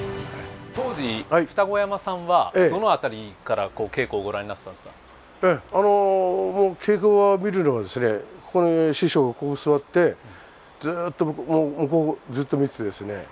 当時、二子山さんはどの辺りから稽古をご覧になっていたんですか？稽古場を見るのはですね師匠、ここに座ってずっと向こう、ずっと見てですね